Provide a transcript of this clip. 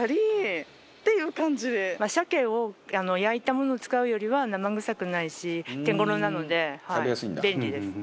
シャケを焼いたものを使うよりは生臭くないし手頃なので便利です。